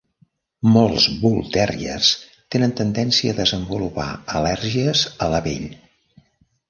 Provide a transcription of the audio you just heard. Molts bull terriers tenen tendència a desenvolupar al·lèrgies a la pell.